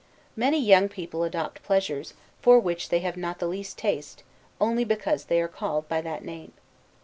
Many young people adopt pleasures, for which they have not the least taste, only because they are called by that name.